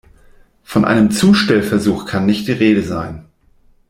Von einem Zustellversuch kann nicht die Rede sein.